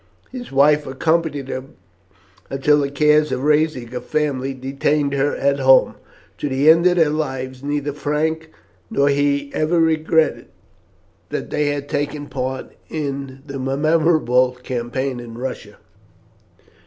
His wife accompanied him until the cares of a rising family detained her at home. To the end of their lives neither Frank nor he ever regretted that they had taken part in the memorable campaign in Russia.